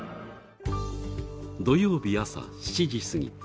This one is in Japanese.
土曜日、朝７時すぎ。